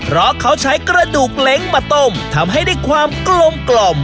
เพราะเขาใช้กระดูกเล้งมาต้มทำให้ได้ความกลมกล่อม